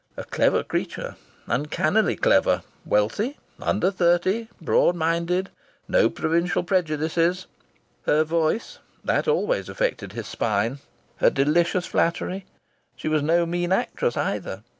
A clever creature! Uncannily clever! Wealthy! Under thirty! Broad minded! No provincial prejudices!... Her voice, that always affected his spine! Her delicious flattery!... She was no mean actress either!